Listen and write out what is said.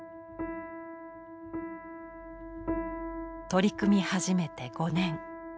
取り組み始めて５年。